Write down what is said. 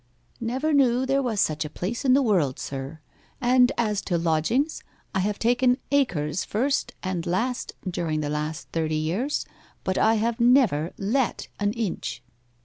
'Never knew there was such a place in the world, sir; and as to lodgings, I have taken acres first and last during the last thirty years, but I have never let an inch.